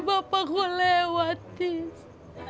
bapak gue lewat tis